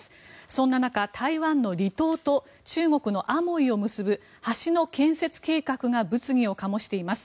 そんな中台湾の離島と中国のアモイを結ぶ橋の建設計画が物議を醸しています。